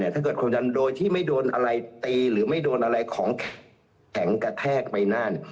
ถ้าเกิดคนดันโดยที่ไม่โดนอะไรตีหรือไม่โดนอะไรของแข็งกระแทกใบหน้า